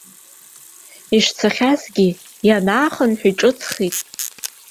Ишцахьазгьы, ианаахынҳә, иҿыцхеит.